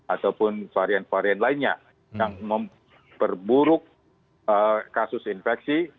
ataupun varian varian lainnya yang memperburuk kasus infeksi